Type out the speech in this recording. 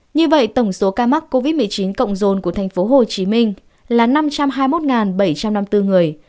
như vậy tổng số ca mắc covid một mươi chín cộng dồn của tp hcm là năm trăm hai mươi một bảy trăm năm mươi bốn người